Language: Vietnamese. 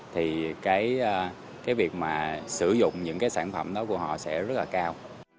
thì cái việc mà sử dụng những cái sản phẩm đó của họ sẽ rất là cao